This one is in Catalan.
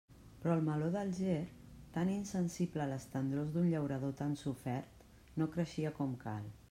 Però el meló d'Alger, tan insensible a les tendrors d'un llaurador tan sofert, no creixia com cal.